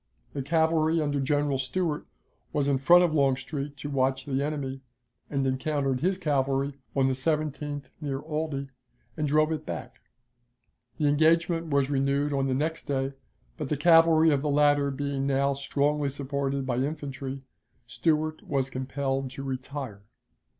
The cavalry under General Stuart was in front of Longstreet to watch the enemy, and encountered his cavalry on the 17th near Aldie, and drove it back. The engagement was renewed on the next day, but the cavalry of the latter being now strongly supported by infantry, Stuart was compelled to retire.